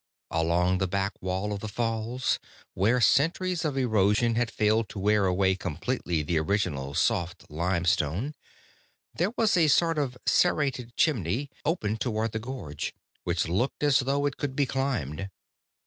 Along the back wall of the falls, where centuries of erosion had failed to wear away completely the original soft limestone, there was a sort of serrated chimney, open toward the gorge, which looked as though it could be climbed.